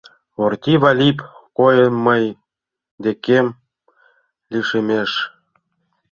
Орти Выльып койын мый декем лишемеш.